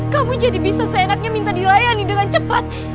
kamu jadi bisa seenaknya minta dilayani dengan cepat